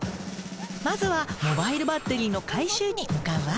まずはモバイルバッテリーの回収に向かうわ。